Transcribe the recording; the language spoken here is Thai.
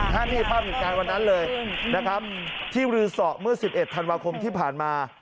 ท่านมีภาพเหมือนกันวันนั้นเลยนะครับที่รือศอกเมื่อ๑๑ธันวาคมที่ผ่านมา